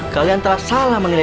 kalian telah salah mengira dia